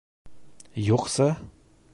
Юҡсы!